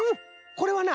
これはな